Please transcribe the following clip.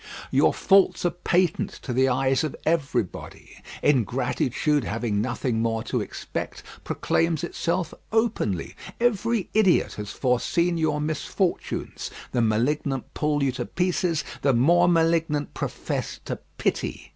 Your faults are patent to the eyes of everybody; ingratitude having nothing more to expect, proclaims itself openly; every idiot has foreseen your misfortunes. The malignant pull you to pieces; the more malignant profess to pity.